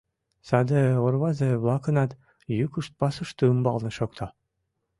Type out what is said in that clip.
Саде орвазе-влакынат йӱкышт пасушто умбалне шокта.